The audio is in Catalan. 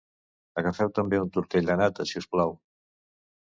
Agafeu també un tortell de nata, si us plau.